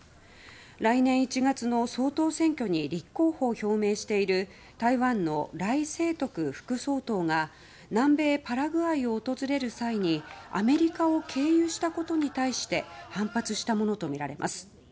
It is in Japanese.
来年１月の総統選挙に立候補を表明している台湾のライ・セイトク副総統が南米パラグアイを訪れる際にアメリカを経由したことに対して反発したものとみられます。